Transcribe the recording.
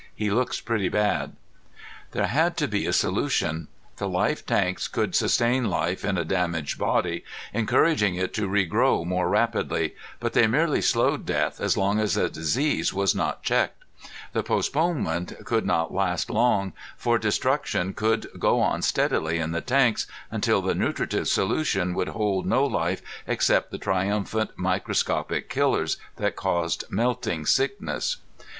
He looks pretty bad." There had to be a solution. The life tanks could sustain life in a damaged body, encouraging it to regrow more rapidly, but they merely slowed death as long as the disease was not checked. The postponement could not last long, for destruction could go on steadily in the tanks until the nutritive solution would hold no life except the triumphant microscopic killers that caused melting sickness.